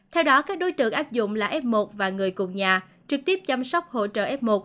theo đó các đối tượng áp dụng là f một và người cùng nhà trực tiếp chăm sóc hỗ trợ f một